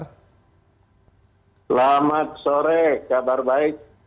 selamat sore kabar baik